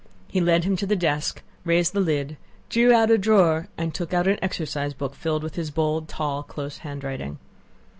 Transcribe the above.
He led him to the desk, raised the lid, drew out a drawer, and took out an exercise book filled with his bold, tall, close handwriting.